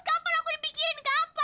kapan aku dipikirin kapan